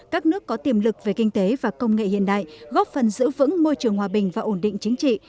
các nước có tiềm lực về kinh tế và công nghệ hiện đại góp phần giữ vững môi trường hòa bình và ổn định chính trị